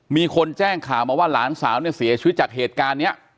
มีคนแจ้งข่าวมาว่าหลานสาวเนี่ยเสียชีวิตจากเหตุการณ์นี้